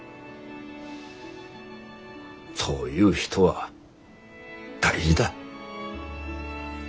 そういう人は大事だ。